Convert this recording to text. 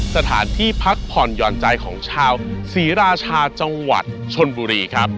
สถานที่พักผ่อนหย่อนใจของชาวศรีราชาจังหวัดชนบุรีครับ